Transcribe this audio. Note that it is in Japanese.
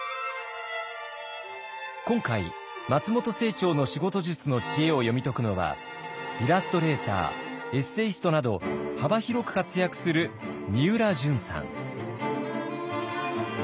今回松本清張の仕事術の知恵を読み解くのはイラストレーターエッセイストなど幅広く活躍するみうらじゅんさん。